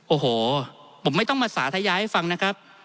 โอ้โหผมไม่ต้องมาสาธยาให้ฟังนะครับ